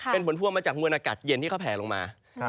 เป็นผลพวงมาจากมวลอากาศเย็นที่เขาแผลลงมา